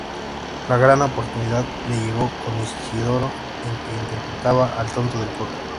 La gran oportunidad le llegó con "Isidoro", en que interpretaba al tonto del pueblo.